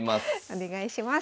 お願いします。